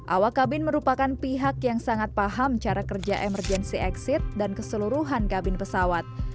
awak kabin merupakan pihak yang sangat paham cara kerja emergency exit dan keseluruhan kabin pesawat